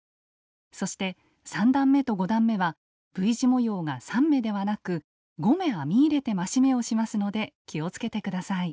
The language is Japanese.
そして３段めと５段めはＶ字模様が３目ではなく５目編み入れて増し目をしますので気をつけて下さい。